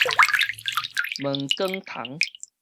毛管蟲